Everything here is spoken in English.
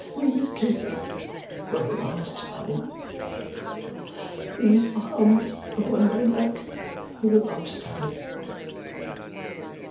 These kisses for the last time! These arms upon my neck for the last time!